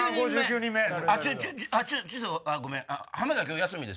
ちょっとあっごめん。